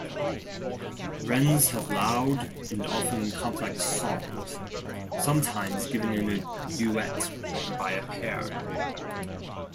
Wrens have loud and often complex songs, sometimes given in duet by a pair.